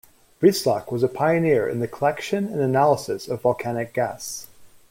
Breislak was a pioneer in the collection and analysis of volcanic gas.